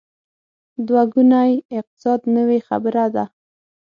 دوه ګونی اقتصاد نوې خبره ده.